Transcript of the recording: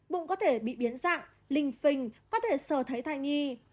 bụng có thể bị biến dạng linh phình có thể sờ thấy thai nhi